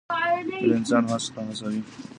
هیله انسان هڅو ته هڅوي.